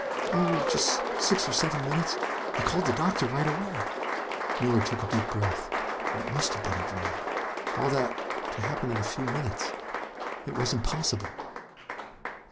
"Oh, just six or seven minutes. I called the doctor right away." Miller took a deep breath. Then it must have been a dream. All that to happen in a few minutes It wasn't possible!